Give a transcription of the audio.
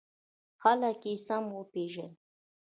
خلک یې سم وپېژني.